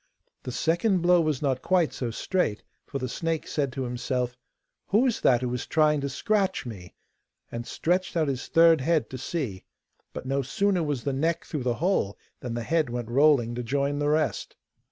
The second blow was not quite so straight, for the snake said to himself, 'Who is that who is trying to scratch me?' and stretched out his third head to see; but no sooner was the neck through the hole than the head went rolling to join the rest.